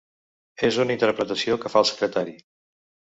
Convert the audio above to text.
És una interpretació que fa el secretari.